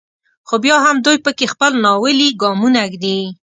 خو بیا هم دوی په کې خپل ناولي ګامونه ږدي.